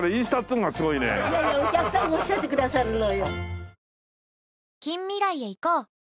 いやいやお客さんがおっしゃってくださるのよ。